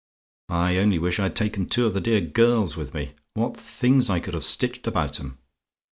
"I only wish I'd taken two of the dear girls with me. What things I could have stitched about 'em!